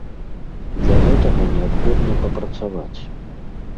Для гэта неабходна папрацаваць.